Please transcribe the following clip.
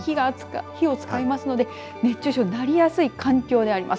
火を使いますので熱中症になりやすい環境ではあります。